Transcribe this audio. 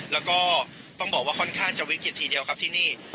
แล้วก็ต้องบอกว่าค่อนข้างจะวิกฤตทีเดียวครับที่นี่